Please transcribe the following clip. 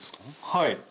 はい。